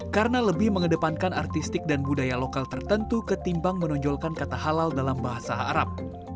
karena lebih mengedepankan artistik dan budaya lokal tertentu ketimbang menonjolkan kata halal dalam bahasa arab